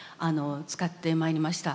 使ってまいりました。